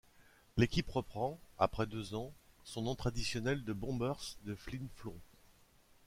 L'équipe reprend, après deux ans, son nom traditionnel de Bombers de Flin Flon.